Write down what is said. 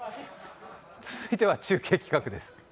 続いては中継企画です。